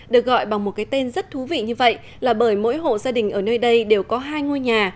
được gọi bằng một cái tên rất thú vị như vậy là bởi mỗi hộ gia đình ở nơi đây đều có hai ngôi nhà